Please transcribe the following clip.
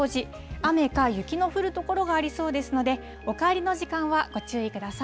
雨か雪の降る所がありそうですので、お帰りの時間はご注意ください。